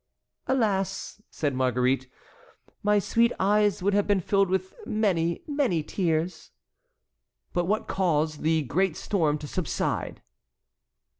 "Alas!" said Marguerite, "my sweet eyes would have been filled with many, many tears." "But what caused the great storm to subside?"